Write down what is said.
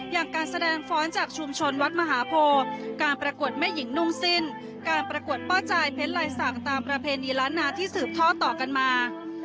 อย่างการแสดงฟ้อนจากชุมชนวัดมหาโพการประกวดแม่หญิงนุ่งสิ้นการประกวดป้าจายเพชรลายศักดิ์ตามประเพณีล้านนาที่สืบท่อต่อกันมา